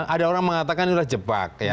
ada orang mengatakan itu jebak